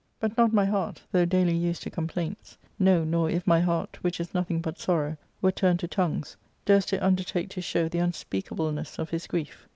" But not my tongue, though daily used to complaints ; no, nor if my heart, which is nothing but sorrow, were turned to tongues, durst it undertake to show the unspeakableness of his grief.